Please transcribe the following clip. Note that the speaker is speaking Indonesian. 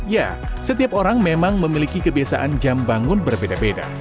ya setiap orang memang memiliki kebiasaan jam bangun berbeda beda